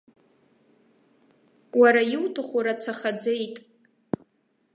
Уара иуҭаху рацәахаӡеит.